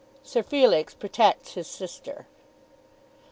SIR FELIX PROTECTS HIS SISTER.